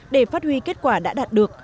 để phát huy kết quả đã đạt được